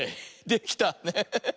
できたね。